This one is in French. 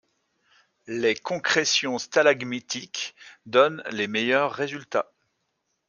Les concrétions stalagmitiques donnent les meilleurs résultats.